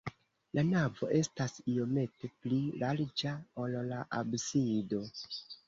La navo estas iomete pli larĝa, ol la absido.